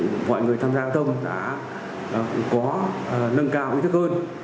mọi người tham gia giao thông đã có nâng cao ý thức hơn